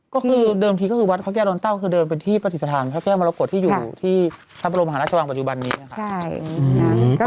ก็คือเดิมทีก็คือวัดพระแก้วดอนเต้าคือเดินเป็นที่ปฏิสถานพระแก้วมรกฏที่อยู่ที่พระบรมหาราชวังปัจจุบันนี้นะครับ